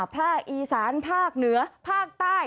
ภาคอีสานภาคเหนือภาคใต้